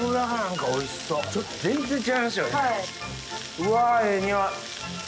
うわええ匂い。